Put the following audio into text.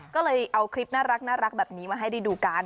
ก็เลยเอาคลิปน่ารักแบบนี้มาให้ได้ดูกัน